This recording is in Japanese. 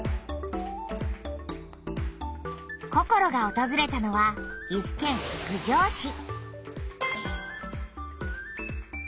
ココロがおとずれたのは岐阜県郡上市。